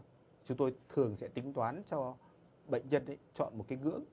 chúng tôi thường sẽ tính toán cho bệnh nhân chọn một cái ngưỡng